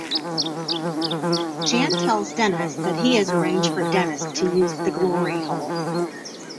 Jan tells Dennis that he has arranged for Dennis to use the glory hole.